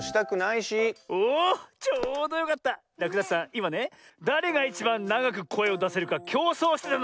いまねだれがいちばんながくこえをだせるかきょうそうしてたのよ。